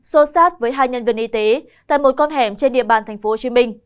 xô sát với hai nhân viên y tế tại một con hẻm trên địa bàn tp hcm